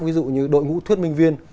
ví dụ như đội ngũ thuyết minh viên